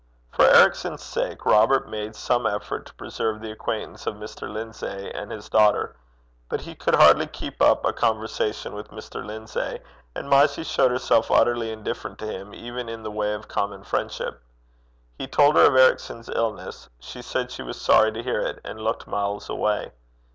For Ericson's sake, Robert made some effort to preserve the acquaintance of Mr. Lindsay and his daughter. But he could hardly keep up a conversation with Mr. Lindsay, and Mysie showed herself utterly indifferent to him even in the way of common friendship. He told her of Ericson's illness: she said she was sorry to hear it, and looked miles away.